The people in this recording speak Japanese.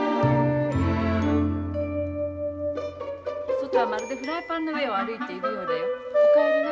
外はまるでフライパンの上を歩いているようだよ。